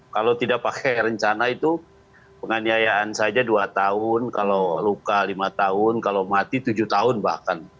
kalau tidak pakai rencana itu penganiayaan saja dua tahun kalau luka lima tahun kalau mati tujuh tahun bahkan